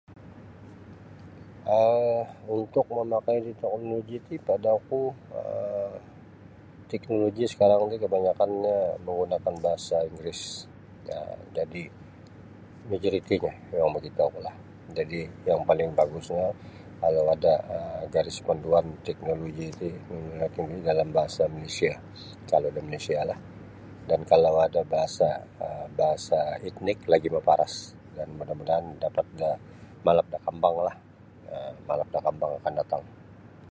um untuk mamakai da teknoloji ti pada oku um teknoloji sakarang ti kabanyakannyo manggunakan bahasa Inggeris um jadi majoritinyo mimang makitokulah jadi' yang paling bagusnyo kalau ada' um garis panduan teknoloji ti dalam bahasa Malaysia kalau da Malaysialah dan kalau ada bahasa um bahasa etnik lagi maparas dan muda-mudahan dapat da malap da kambanglah um malap da kambang akan datang.